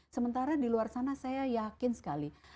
sementara di luar sana saya yakin sekali